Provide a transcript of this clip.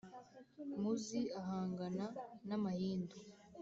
muzi ahangana n'amahindu